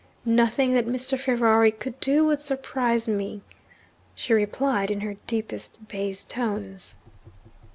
'Nothing that Mr. Ferrari could do would surprise me,' she replied in her deepest bass tones.